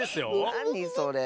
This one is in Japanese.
なにそれ？